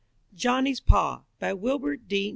JOHNNY'S PA BY WILBUR D.